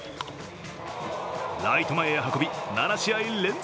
ライト前へ運び７試合連続